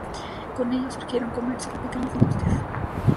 Con ellos surgieron comercios y pequeñas industrias.